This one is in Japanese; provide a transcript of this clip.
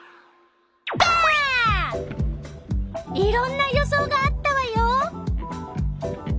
いろんな予想があったわよ。